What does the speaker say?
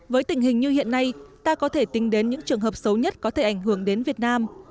với tình hình như hiện nay ta có thể tính đến những trường hợp xấu nhất có thể ảnh hưởng đến việt nam